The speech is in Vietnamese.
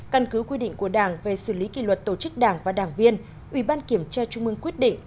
căn cứ quy định của đảng về xử lý kỷ luật tổ chức đảng và đảng viên ủy ban kiểm tra trung ương quyết định